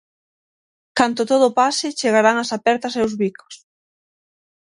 Canto todo pase chegarán as apertas e os bicos.